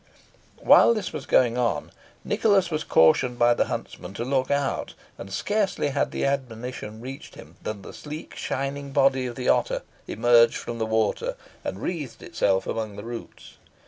While this was going on, Nicholas was cautioned by the huntsman to look out, and scarcely had the admonition reached him than the sleek shining body of the otter emerged from the water, and wreathed itself among the roots.